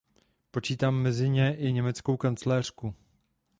Počítám mezi ně i německou kancléřku.